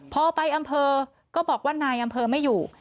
พอไปอำเภอก็บอกว่านายอำเภอไม่อยู่